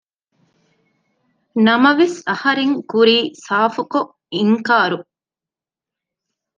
ނަމަވެސް އަހަރެން ކުރީ ސާފު ކޮށް އިންކާރު